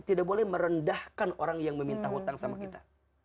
tidak boleh merendahkan orang yang meminta hutang sama kita